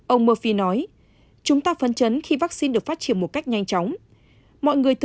ông mofi nói chúng ta phấn chấn khi vaccine được phát triển một cách nhanh chóng